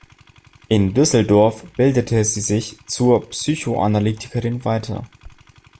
In Düsseldorf bildete sie sich zur Psychoanalytikerin weiter.